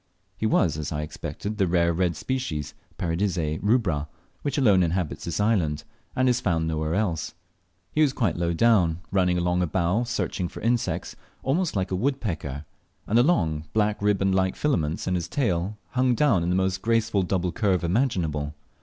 He was, as I expected, the rare red species, Paradisea rubra, which alone inhabits this island, and is found nowhere else. He was quite low down, running along a bough searching for insects, almost like a woodpecker, and the long black riband like filaments in his tail hung down in the most graceful double curve imaginable.